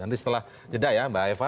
nanti setelah jeda ya mbak eva